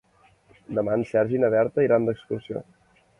Demà en Sergi i na Berta iran d'excursió.